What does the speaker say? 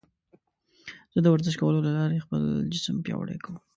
زه د ورزش کولو له لارې خپل جسم پیاوړی کوم.